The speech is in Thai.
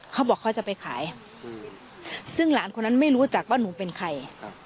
เขาบอกเขาจะไปขายซึ่งหลานคนนั้นไม่รู้จักว่าหนูเป็นใคร